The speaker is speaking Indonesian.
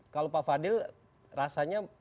kalau pak fadil rasanya punya perspektif yang sama